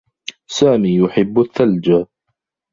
سامي يحبّ الثّلج.